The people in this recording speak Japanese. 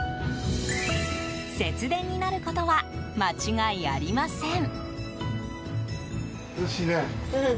節電になることは間違いありません。